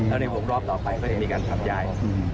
แล้วในวงรอบต่อไปก็จะมีการขับย้าย